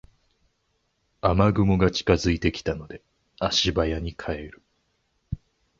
雨雲が近づいてきたので足早に帰る